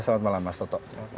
selamat malam mas toto